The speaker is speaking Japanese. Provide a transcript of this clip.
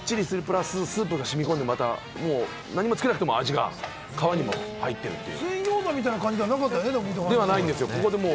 スープで茹でるので、皮がもっちりするプラス、スープが染み込んで、何もつけなくても、味が皮にも入っているという。